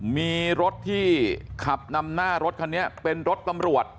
มีรถที่ขับนำหน้ารถคันนี้เป็นรถตำรวจ